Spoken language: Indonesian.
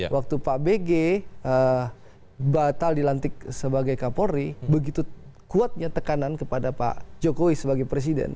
waktu pak bg batal dilantik sebagai kapolri begitu kuatnya tekanan kepada pak jokowi sebagai presiden